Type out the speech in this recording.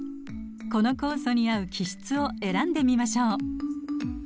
この酵素に合う基質を選んでみましょう。